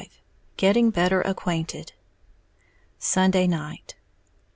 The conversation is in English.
V GETTING BETTER ACQUAINTED _Sunday Night.